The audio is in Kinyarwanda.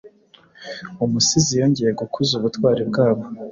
Umusizi yongeye gukuza ubutwari bwa bo